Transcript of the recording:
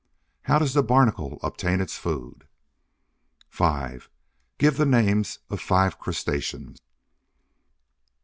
How does the Barnacle obtain its food? 5. Give the names of five crustaceans.